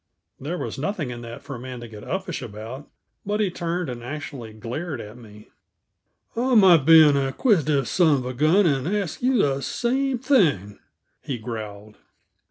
There was nothing in that for a man to get uppish about, but he turned and actually glared at me. "I might be an inquisitive son of a gun and ask you the same thing," he growled.